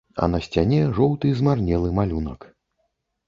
А на сцяне жоўты змарнелы малюнак.